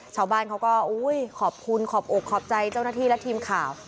ชาวบ้านเขาก็ขอบคุณขอบอกขอบใจเจ้าหน้าที่และทีมข่าว